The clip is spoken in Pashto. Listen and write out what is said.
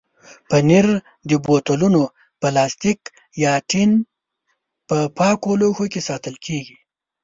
پنېر د بوتلونو، پلاستیک یا ټین په پاکو لوښو کې ساتل کېږي.